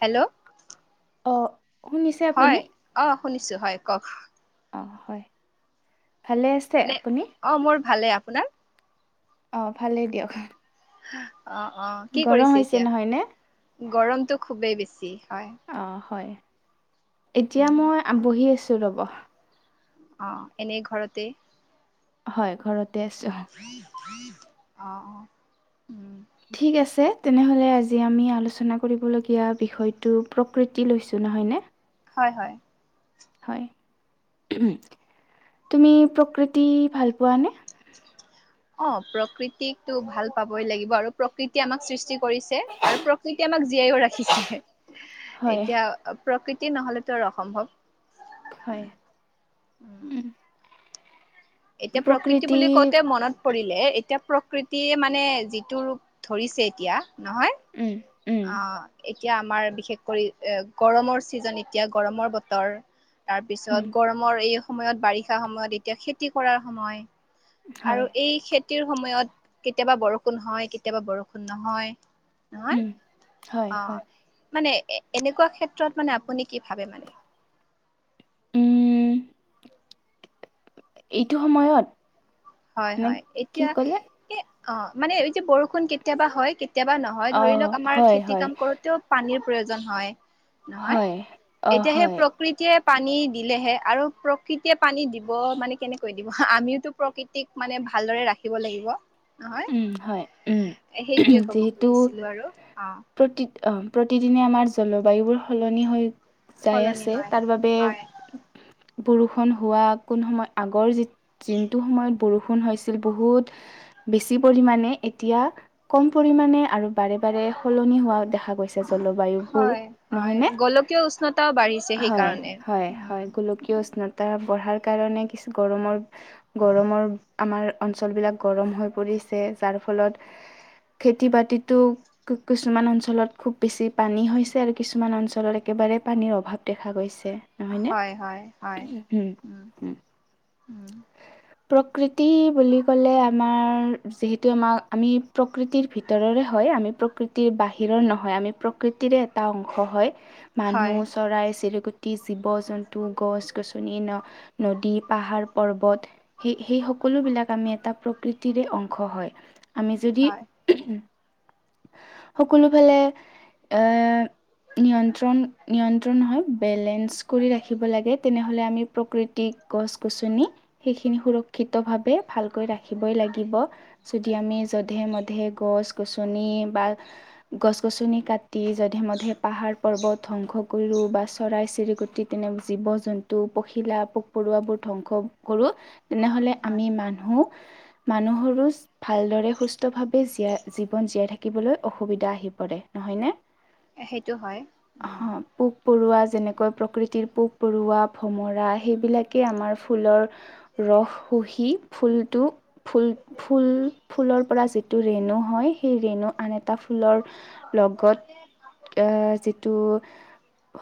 Hello অ হয় অ শুনিছো হয় কওক। অ হয়, ভালে আছে আপুনি? অঁ, মোৰ ভালেই আপোনাৰ? অঁ ভালেই দিয়ক। অঁ অঁ কি গৰম কৰিছে হৈছে এতিয়া? নহয়নে গৰমতটো খুবেই বেছি হয়। অঁ হয়, এতিয়া উম মই বহি আছো ৰ'ব। অঁ এনেই ঘৰতে। হয় ঘৰতে আছো। অঁ ঠিক আছে তেনেহ'লে আজি আমি আলোচনা কৰিবলগীয়া বিষয়টো প্ৰকৃতি লৈছোঁ নহয়নে। হয় হয়। হয়, তুমি প্ৰকৃতি ভাল পোৱানে? অঁ, প্ৰকৃতিকটো ভাল পাবই লাগিব আৰু প্ৰকৃতিয়ে আমাক সৃষ্টি কৰিছে, আৰু প্ৰকৃতিয়ে আমাক জীয়াইও ৰাখিছে। হয় এতিয়া প্ৰকৃতি নহলেতো অসম্ভৱ। হয় উম, এতিয়া প্ৰকৃতি বুলি কওঁতে মনত পৰিলে এতিয়া, প্ৰকৃতিয়ে মানে যিটো ৰূপ ধৰিছে এতিয়া নহয়। উম উম অ এতিয়া আমাৰ বিশেষ কৰি গৰমৰ ছিজন এতিয়া গৰমৰ বতৰ তাৰ উম পিছত গৰমৰ এই সময়ত বাৰিষা সময়ত এতিয়া খেতি কৰাৰ সময় আৰু হয় এই খেতিৰ সময়ত কেতিয়াবা বৰষুণ হয় কেতিয়াবা বৰষুণ নহয় নহয় উম হয় অ হয় মানে এনেকুৱা ক্ষেত্ৰত মানে আপুনি কি ভাবে মানে উম এইটো সময়ত হয় নে হয় কি এতিয়া ক'লে এ অ মানে এতিয়া বৰষুণ কেতিয়াবা হয় কেতিয়াবা ন হয় অ ধৰি লওক আমাৰ হয় খেতি হয় কাম কৰোতেও পানীৰ প্ৰয়োজন হয়। নহয় হয় অ এতিয়া সেই হয় প্ৰ প্ৰকৃতিয়ে পানী দিলেহে আৰু প্ৰকৃতিয়ে পানী দিব মানে কেনেকৈ দিব আমিওতো প্ৰকৃতিক মানে ভালদৰে ৰাখিব লাগিব নহয় উম হয় উম সেইটোৱে ক'ব যিহেতু খুজিছিলো আৰু অ' প্ৰতি প্ৰতিদিনে আমাৰ জলবায়ুবোৰ সলনি হৈ যাই সলনি আছে হয় তাৰ বাবে হয় বৰষুন হোৱা কোন সময় আগৰ যি যিনটো সময়ত বৰষুণ হৈছিল বহুত বেছি পৰিমাণে এতিয়া কম পৰিমাণে আৰু বাৰে বাৰে সলনি হোৱা দেখা গৈছে জলবায়ুবোৰ হয় হয় নহয় নে গোলকীয় উষ্ণতাও বাঢ়িছে হয়, সেইকাৰণে হয়, উম হয়। গোলকীয় উষ্ণতা বঢ়াৰ কাৰণে কিছু গৰমৰ গৰমৰ আমাৰ অঞ্চলবিলাক গৰম হৈ পৰিছে যাৰ ফলত খেতি বাতিতো কিছুমান অঞ্চলত খুব বেছি পানী হৈছে আৰু কিছুমান অঞ্চলত একেবাৰে পানীৰ অভাৱ দেখা গৈছে। নহয়নে? হয় হয় হয় উম উম প্ৰকৃতি বুলি ক'লে আমাৰ যিহেতু আমাৰ আমি প্ৰকৃতিৰ ভিতৰৰে হয় আমি প্ৰকৃতিৰ বাহিৰৰ নহয় আমি প্ৰ কৃতিৰে এটা অংশ হয় হয় মানুহ চৰাই চিৰিকতি, জীৱ জন্তু, গছ গছনি ন নদী, পাহাৰ, পৰ্বত সেই সেই সকলো বিলাক আমি এটা প্ৰকৃতিৰে অং শ হয় আমি যদি হয় সকলো ফালে এ নিয়ন্ত্ৰণ নিয়ন্ত্ৰণ নহয় বেলেঞ্চ কৰি ৰাখিব লাগে তেনেহ'লে আমি প্ৰকৃতিক গছ গছনি সেইখিনি সুৰক্ষিত ভাৱে ভালকৈ ৰাখিবই লাগিব। যদি আমি যধে মধে গছ গছনি বা গছ গছনি কাট টি যধে মধে পাহাৰ পৰ্বত ধংস কৰো বা চৰাই চিৰিকটি তেনে জীৱ জন্তু, পখিলা পোক পৰুৱাবোৰ ধ্বংস কৰো। তেনেহলে হয় আমি মানুহ মানুহৰো ভালদৰে সুস্থ ভাৱে জীয়াই জীৱন জীয়াই থাকিবলৈ অসুবিধা আহি পৰে নহয় নে সেইটো হয় উম পোক পৰুৱা যেনেকৈ প্ৰকৃতিৰ পোক পৰুৱা ভমৰা সেইবিলাকেই আমাৰ ফুলৰ ৰস শুহি ফুলটো ফুল ফুল ফুলৰ পৰা যিটো ৰেণু হয় সেই ৰেণু আন এটা ফুলৰ লগত এ যিটো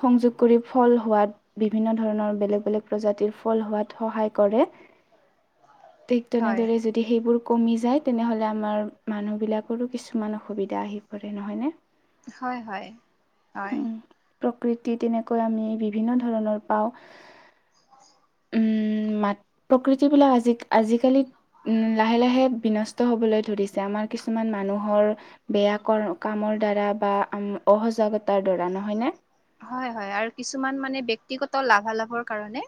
সংযোগ কৰি ফল হোৱাত বিভিন্ন ধৰণৰ বেলেগ বেলেগ প্ৰজাতিৰ ফল হোৱাত সহায় কৰে। ঠিক হয় তেনেদৰে যদি সেইবোৰ কমি যায় তেনেহ'লে আমাৰ মানুহবিলাকৰো কিছুমান অসুবিধা আহি পৰে নহয়নে। হয় হয় হয়। উম, প্ৰকৃতি তেনেকুৱা আমি বিভিন্ন ধৰণৰ পাওঁ। উম প্ৰকৃতিবিলাক আজিকালি- লাহে লাহে বিনষ্ট হ'বলৈ ধৰিছে। আমাৰ কিছুমান মানুহৰ বেয়া ক কামৰ দ্বাৰা বা অসজাগতাৰ দ্বাৰা নহয় নে। হয় হয় আৰু কিছুমান মানে বয়ক্তিগত লাভালাভৰ কাৰণে-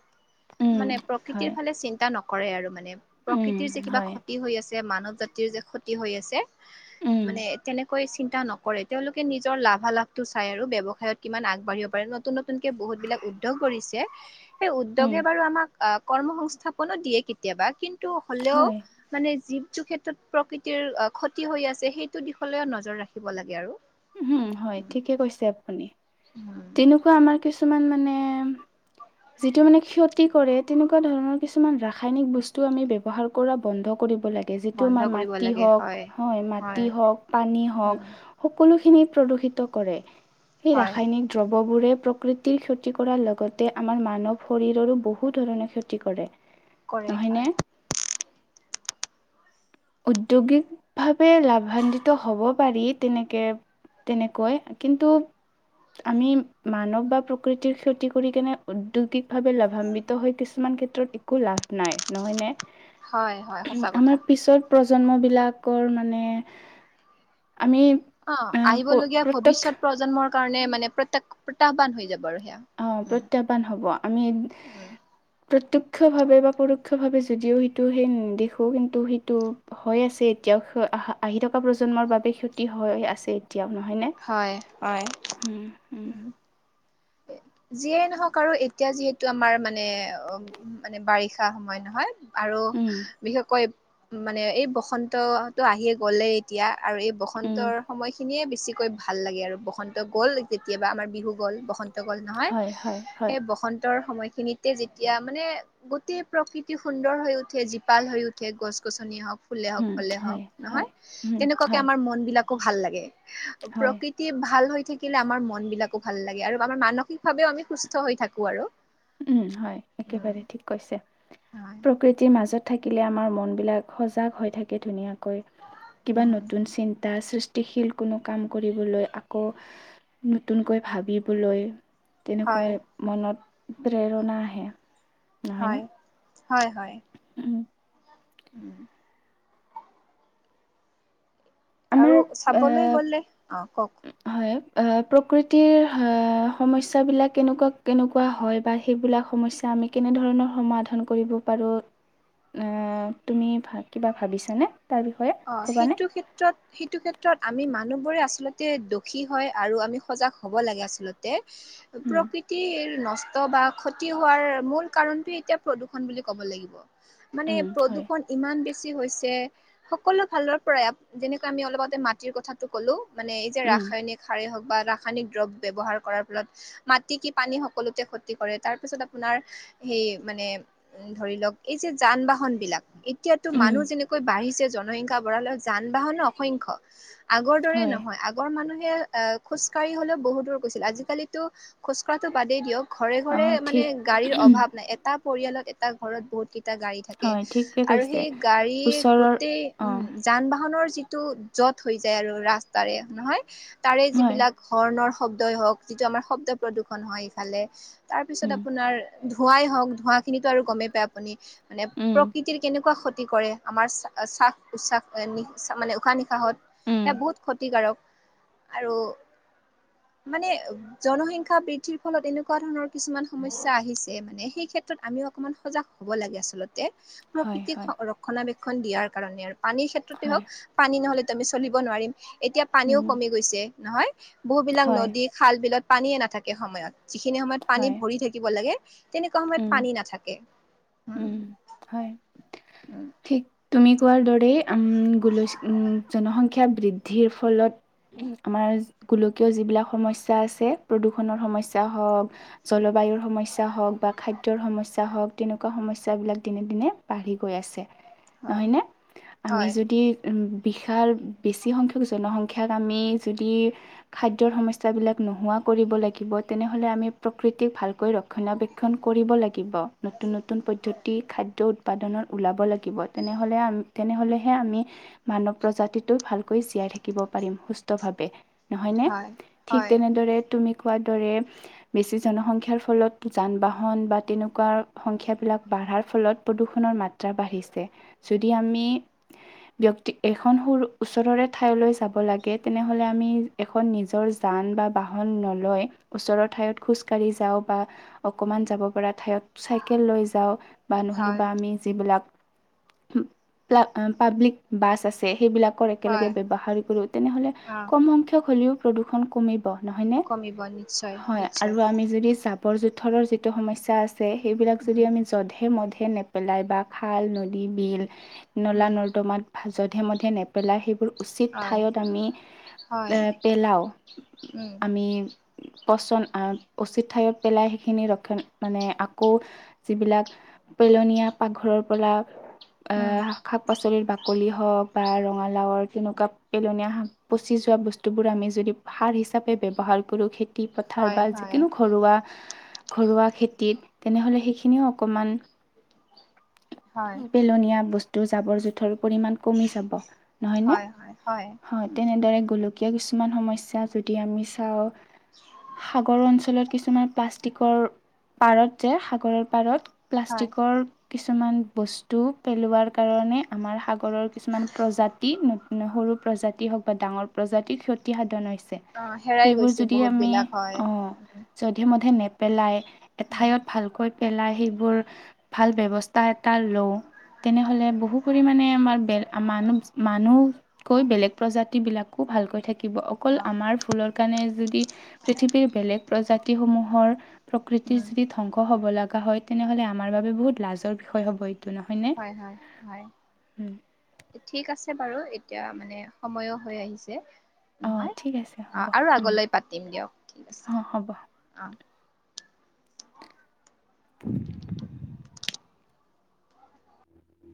উম মানে প্ৰকৃতিৰ হয় ফালে চিন্তা নকৰে আৰু মানে প্ৰকৃতিৰ যে উম কিবা হয় ক্ষতি হৈ আছে মানৱ জাতি। কিজে ক্ষতি হৈ আছে। উম মানে তেনেকৈ চিন্তা নকৰে তেওঁলোকে নিজৰ লাভালাভটো চাই আৰু ব্যৱসায়ত কিমান আগ আগবাঢ়িব পাৰে নতুন নতুনকে বহুত বিলাক উদ্যোগ কৰিছে সেই উম উদ্যোগে বাৰু আমাক আহ। কৰ্ম সংস্থাপনো দিয়ে কেতিয়াবা কিন্তু হলেও হয় মানে যিৱটো ক্ষেত্ৰত প্ৰকৃতিৰ ক্ষতি হৈ আছে, সেইটো দিশলৈও নজৰ ৰাখিব লাগে। আৰু উম, হয়। ঠিকে কৈছে আপুনি। উম। তেনেকুৱা আমাৰ কিছুমান মানে যিটো মানে ক্ষতি কৰে, তেনেকুৱা ধৰণৰ কিছুমান ৰাসায়নিক বস্তু আমি ব্যৱহাৰ কৰা বন্ধ কৰিব লাগে। যিটো বন্ধ আমাৰ কৰিব মাটি লাগে হওক, হয়। মাটি হওক, পানী হওক। উম সকলোখিনি প্ৰদূষিত কৰে সেই হয় ৰাসায়নিক দ্ৰববোৰে প্ৰকৃতিৰ ক্ষতি কৰাৰ লগতে আমাৰ মানৱ শৰীৰৰো বহুত ধৰণে ক্ষতি কৰে। কৰে নহয়নে হয়। উদ্যোগিকভাৱে লাভান্বিত হ'ব পাৰি তেনেকে, তেনেকৈ কিন্তু আমি মানৱ বা প্ৰকৃতিৰ ক্ষতি কৰি কেনে উদ্যোগিকভাৱে লাভান্বিত হৈ কিছুমান ক্ষেত্ৰত একো লাভ নাই নহয় নে? হয় হয় সঁচা কথা। আমাৰ পিছত প্ৰজন্মবিলাকৰ মানে আমি অ', আহ আহিবলগীয়া প্ৰত্যেক ভৱিষ্যত প্ৰজন্মৰ কাৰণে মানে প্ৰতাক প্ৰত্যাহ্বান হৈ যাব আৰু সেয়া অ', উম প্ৰত্যাহ্বান হ'ব। আমি প্ৰত্যক্ষভাৱে বা পৰোক্ষ ভাৱে যদিও সিটো সেই দেখো কিন্তু সিটো হৈ আছে এতিয়াও স আহা আহি থকা প্ৰজন্মৰ বাবে ক্ষতি হৈ আছে, এতিয়াও নহয়নে? হয়। হয়। উম। উম। যিয়েই নহওক আৰু এতিয়া যিহেতু আমাৰ মানে উ, মানে বাৰিষা সময় নহয়। আৰু উম, বিশেষকৈ মানে এই বসন্ত টো আহি গ'লেই। এতিয়া আৰু এই উম, বসন্তৰ সময় খিনিয়ে বেছিকৈ ভাল লাগে আৰু বসন্ত গ'ল যেতিয়াবা আমাৰ বিহু, গ'ল। বসন্ত হয় গ'ল নহয় হয়, হয়, হয়, সেই বসন্তৰ সময়খিনিত যেতিয়া মানে গোটেই প্ৰকৃতি সুন্দৰ হৈ উঠে, জীপাল হৈ উঠে গছ গছনি হওক। তে ফুলে হওক, উম, ফলে হক হয়, নহয়। হয়, উম, তেনেকুৱাকে হয়, আমাৰ মন বিলাকো ভাল লাগে। হয়। প্ৰকিকৃতি কি ভাল হৈ থাকিলে, আমাৰ মন বিলাকো ভাল লাগে আৰু আমাৰ মানসিকভাৱেও আমি সুস্থ হৈ থাকো আৰু উম, হয়। উম একেবাৰে ঠিক কৈছে। হয় প্ৰকৃতিৰ মাজত থাকিলে, আমাৰ মনবিলাক সজাগ হৈ থাকে ধুনীয়াকৈ। কৈ কিবা উম নতুন চিন্তা সৃষ্টি গতিশীল [unintelligible] কোনো কাম কৰিবলৈ, আকৌ নতুনকৈ ভাবিবলৈ [unintelligible] হয় তেনেকৈ মনত প্ৰেৰণা আহে। [unintelligible] হয় [inaudible] হয়-হয়। উম। [unintelligible] উম। [inaudible] আৰু আমাৰ চাবলৈ আহ গ'লে [inaudible] অঁ! কওক? হয়। আহ প্ৰকৃতিৰ সমস্যাবিলাক কেনেকুৱা-কেনেকুৱা হয় বা সেইবিলাক সমস্যা [unintelligible] এতিয়া আমি কেনেধৰণৰ সমাধান কৰিব পাৰোঁ [unintelligible] অঁ! তুমি [unintelligible] কিবা ভাবিছানে? তাৰ বিষয়ে। [unintelligible] অঁ! সেইটো ক্ষেত্ৰত [unintelligible] সেইটো ক্ষেত্ৰত আমি মানুহবোৰে আচলতে দোষী হয়, আৰু আমি সজাগ হ'ব লাগে আচলতে। [unintelligible] উম প্ৰকৃৃত [unintelligible] [unintelligible] নষ্ট বা ক্ষতি হোৱাৰ মূল কাৰণটোৱেই এতিয়া প্ৰদূষণ বুলি ক'ব লাগিব। মানে উম, হয়। প্ৰদূষণ ইমান বেছি [unintelligible] বেছি হৈছে। সকলো ফালৰ পৰাই যেনেকে আমি অলপ আগতে মাটিৰ কথা [unintelligible] [unintelligible] ক'লোঁ, মানে এই যে উম, ৰাসায়নিক সাৰেই হওক বা ৰাসায়নিক দ্ৰৱ ব্যৱহাৰ কৰাৰ ফলত মাটি কি পানী সকলোতে ক্ষতি কৰে। তাৰ পিছত আপোনাৰ সেই মানে [unintelligible] উম! ধৰি লওক, এই যে যান-বাহনবিলাক, এতিয়া [unintelligible] [unintelligible] তো উম, মানুহ যেনেকৈ বাঢ়িছে, জনসংখ্যা বঢ়ালৈ যান-বাহনো অসংখ্য। আগৰ দৰে হয়। নহয়। আগ আগৰ মানুহে আহ খোজকঢ়ি হ'লেও বহুত দূৰ গৈছিল। আজিকালিতো খোজকঢ়াটো বাদেই দিয়ক [unintelligible] অ' ঘৰে-ঘৰে মানে ঠিক গাড়ীৰ অভাৱ নাই। এটা পৰিয়ালত, এটা ঘৰত, বহুত কেইটা গাড়ী থা [unintelligible] থাকে। হয়, ঠিকে আৰু কৈছে। সেই গাড়ীয়ে ওচৰৰ গোটেই উম অ' [unintelligible] যান-বাহনৰ যিটো যত হৈ যায় আৰু ৰাস্তাৰে, নহয়? [unintelligible] তাৰে হয়। যিবিলাক হৰ্ণৰ শব্দই হওক, যিটো আমাৰ শব্দ প্ৰদূষণ হয় ইফালে। [unintelligible] তাৰপিছত উম, আপোনাৰ ধোঁৱাই হওক, ধোঁৱাখিনিতো আৰু গমেই পায় আপুনি, মানে প্ৰকৃ [unintelligible] উম, প্ৰকৃতিৰ কেনেকুৱা ক্ষতি কৰে। আমাৰ [unintelligible] চা, চাহ, নিচা মানে উশাহ-নিশাহত। উম, সেই বহুত ক্ষতিকাৰক, আৰু [unintelligible] মানে জনসংখ্যা বৃদ্ধিৰ ফলত এনেকুৱা ধৰণৰ [unintelligible] কিছুমান সমস্যা আহিছে মানে, সেই ক্ষেত্ৰত আমি অকনমান সজাগ হ'ব লাগে আচলতে। [unintelligible] হয়, প্ৰকৃতিক হয়, [unintelligible] ৰক্ষণাৱেক্ষণ দিয়াৰ কাৰণে আৰু। পানীৰ ক্ষেত্ৰতে হয়, হওক। পানী নহলেতো আমি চলিব নোৱাৰিম। এতিয়া পানীও উম, কমি গৈছে নহয়? বহু বিলাক হয়, নদী [unintelligible] খাল-বিলত পানীয়ে নাথাকে সময়ত। যিখিনি সময়ত পানী হয়, ভৰি থাকিব লাগে [unintelligible] তেনেকুৱা সময়ত উম, পানী নাথাকে। উম! [unintelligible] হয়। উম ঠিক তুমি কোৱাৰ দৰেই উম! [unintelligible] উম! জনসং জনসংখ্যা বৃদ্ধিৰ ফলত [unintelligible] উম! আমাৰ গোলকীয় যিবিলাক সমস্যা আছে, প্ৰদূষণৰ সমস্যা হওক [unintelligible] জলবায়ুৰ সমস্যা হওক [unintelligible] বা খাদ্যৰ সমস্যা হওক, তেনেকুৱা সমস্যাবিলাক দিনে-দিনে বাঢ়ি গৈ আছে। [unintelligible] হয় নহয়নে? আমি হয় যদি [inaudible] উম! বিশাল বেছি সংখ্যক জনসংখ্যাক আমি যদি [unintelligible] খাদ্যৰ সমস্যাবিলাক নোহোৱা কৰিব লাগিব, তেনেহলে আমি প্ৰকৃতিক ভালকৈ ৰক্ষণ [unintelligible] সংৰক্ষণ কৰিব লাগিব। নতুন-নতুন পদ্ধতি খাদ্য [unintelligible] উৎপাদনত ওলাব লাগিব। তেনেহলে আম, তেনেহলেহে আমি [unintelligible] মানৱ প্ৰজাতিটো ভালকৈ জীয়াই থাকিব পাৰিম সুস্থভাৱে। [inaudible] নহয়নে? হয় ঠিক হয় তেনেদৰে তুমি কোৱাৰ দৰে, বেছি জনসংখ্যাৰ ফলত যান-বাহন বা তেনেকুৱা সংখ্যাবিলাক বাঢ়াৰ ফলত প্ৰদূষণৰ মাত্ৰা বাঢ়িছে। যদি আমি ব্যক্তি, এখন সুৰ, ওচৰৰে ঠাইলৈ যাব লাগে, তেনেহলে আমি এ এখন নিজৰ যান বা বাহন নলয়, ওচৰৰ ঠাইত খোজ কঢ়ি যাওঁ বা অকমান যাব পৰা ঠাইত চাইকেল লৈ যাওঁ বা নহ'লে হয় বা আমি যিবিলাক, পা পাব্লিক বাছ আছে, সেইবিলাক কৰে, একেলগে হয় ব্যৱহাৰ কৰে, তেনেহলে অ কম সংখ্যক হ'লেও প্ৰদূষণ কমি ব নহয়নে? কমিব নিশ্চয় হয়। আৰু নিশ্চয় আমি যদি জাবৰ জো থৰৰ যিটো সমস্যা আছে, সেইবিলাক যদি উম আমি যধে-মধে নেপেলাই বা খাল নদী, বিল- উম নলা-নৰ্দমাত ভা জধে-মধে নেপেলাই, সেইবোৰ উচিত হয় ঠাইত আমি হয় আ' পেলাওঁ, উম আমি পচন আ' উচিত ঠাইত পেলাই সি খিনি ৰক্ষন মানে আকৌ যিবিলাক পেলনীয়া পাকঘৰৰ পৰা উম আ' শাক- পাচলিৰ বাকলি হওক বা ৰঙালাওৰ তেনেকুৱা পেলনীয়া, পচি যোৱা বস্তুবোৰ আমি যদি সাৰ হিচাপে ব্যৱহাৰ কৰি তি পথাৰ হয় বা হয় যিকোনো ঘৰুৱা, ঘৰুৱা খেতিত, তেনেহ'লে সেইখিনিও অকণমান হয় পেলনীয়া বস্তু জাবৰ-জোথৰ পৰিমাণ কমি যাব নহয় নে হয় হয় হয় তেনেদৰে গলো কিছুমান সমস্যা যদি আমি চাওঁ। সাগৰৰ অঞ্চলত কিছুমান প্লাষ্টিক প্লাষ্টিকৰ পাৰত যে সাগৰৰ পাৰত হয় প্লাষ্টিকৰ কিছুমান বস্তু পেলোৱাৰ কাৰণে আমাৰ সাগৰৰ কিছুমান প্ৰজাতি সৰু প্ৰজাতি হওক বা ডাঙৰ প্ৰজাতিৰ ক্ষতি সাধন হৈছে। অ হেৰাই সেইবোৰ গৈছে যদি বহুত আমি বিলাক হয় অহ উম যধে মধে নেপেলাই উম এঠাইত ভালকৈ পেলাই সেইবোৰ ভাল ব্যৱস্থা এটা লওঁ। তেনেহলে বহু পৰিমাণে আমাৰ ব মানুহ মানুহ কৰি বেলেগ প্ৰজাতি বিলাকো ভালকৈ থাক থাকিব। অকল অ আমাৰ ভুলৰ কাৰণে যদি পৃথিৱীৰ বেলেগ প্ৰজাতি সমূহৰ প্ৰকৃতি উম যদি ধ্বংস হ'ব লগা হয়, তেনেহ'লে আমাৰ বাবে বহুত লাজৰ বিষয় হ'ব এই হয় হয় হয়, ঠিক আছে বাৰু এতিয়া মানে সময়ো হৈ আহিছে। অঁ নহয় ঠিক আছে অঁ হ'ব আৰু আগলৈ পাতিম দিয়ক ঠিক আছে অঁ হ'ব অঁ [inaudible]